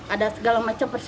ada segala macam persis